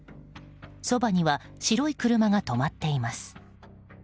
そばには白い車が止まっています。